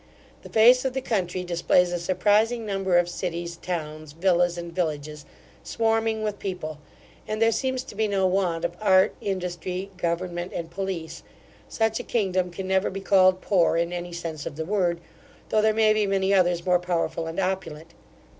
The face of the country displays a surprising number of cities, towns, villas, and villages, swarming with people; and there seems to be no want of art, industry, government, and police: such a kingdom can never be called poor, in any sense of the word, though there may be many others more powerful and opulent.